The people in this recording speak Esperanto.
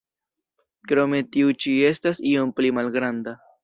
Krome tiu ĉi estas iom pli malgranda.